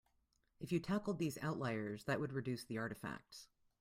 If you tackled these outliers that would reduce the artifacts.